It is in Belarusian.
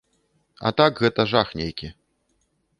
А так гэта жах нейкі.